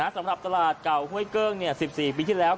สำหรับตลาดเก่าห้วยเกิ้ง๑๔ปีที่แล้ว